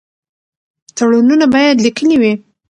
تړونونه باید لیکلي وي.